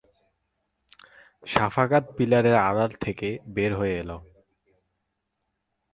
সাফকাত পিলারের আড়াল থেকে বের হয়ে এল।